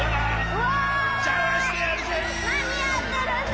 なにやってるんだ！？